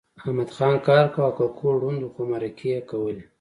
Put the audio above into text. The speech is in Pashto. احمدخان کار کاوه او ککو ړوند و خو مرکې یې کولې